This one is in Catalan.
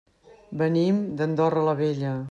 Venim d'Andorra la Vella.